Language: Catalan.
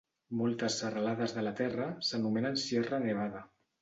Moltes serralades de la Terra s'anomenen Sierra Nevada.